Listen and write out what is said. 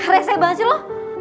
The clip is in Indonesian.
reset banget sih lo